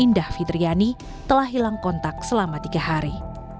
indah fitriani telah hilang kontak selama tiga hari